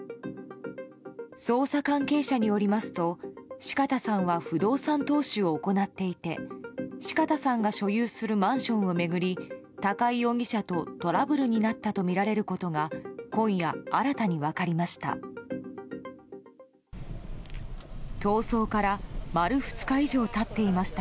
捜査関係者によりますと四方さんは不動産投資を行っていて四方さんが所有するマンションを巡り高井容疑者とトラブルになったとみられることが今夜、新たに分かりました。